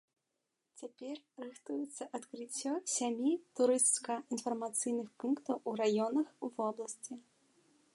Цяпер рыхтуецца адкрыццё сямі турысцка-інфармацыйных пунктаў у раёнах вобласці.